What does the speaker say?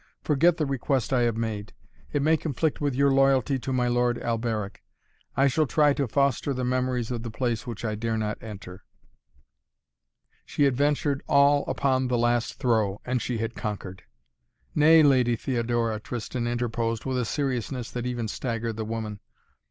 Forget the request I have made. It may conflict with your loyalty to my Lord Alberic. I shall try to foster the memories of the place which I dare not enter " She had ventured all upon the last throw, and she had conquered. "Nay, Lady Theodora," Tristan interposed, with a seriousness that even staggered the woman.